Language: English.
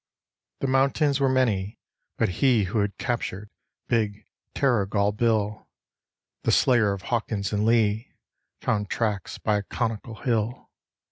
The mountains were many, but he who had captured big Terrigal Bill, The slayer of Hawkins and Lee, found tracks by a conical hill.